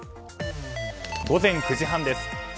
午前９時半です。